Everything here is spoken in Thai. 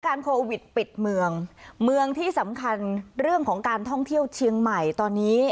โควิดปิดเมืองเมืองที่สำคัญเรื่องของการท่องเที่ยวเชียงใหม่ตอนนี้